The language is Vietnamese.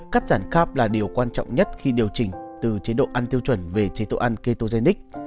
cắt giảm cap là điều quan trọng nhất khi điều chỉnh từ chế độ ăn tiêu chuẩn về chế độ ăn ketogenic